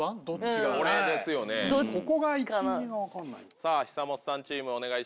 さぁ久本さんチームお願いします。